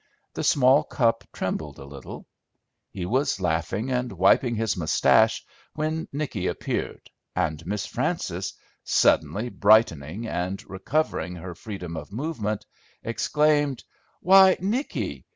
The small cup trembled a little. He was laughing and wiping his mustache, when Nicky appeared; and Miss Frances, suddenly brightening and recovering her freedom of movement, exclaimed, "Why, Nicky!